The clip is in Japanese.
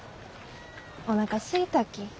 おなかすいたき。